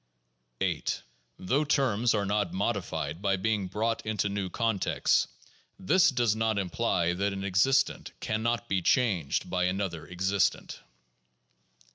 8. Though terms are not modified by being brought into new contexts, this does not imply that an existent can not be changed by another existent.